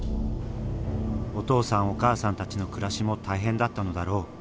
お父さんお母さんたちの暮らしも大変だったのだろう。